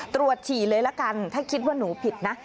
ฉี่เลยละกันถ้าคิดว่าหนูผิดนะ